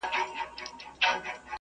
په دې پروسه کې حجرې په لوړه کچه وده کوي.